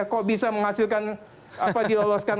kok bisa menghasilkan apa diloloskan